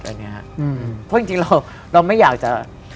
เพราะจริงเราไม่อยากจะ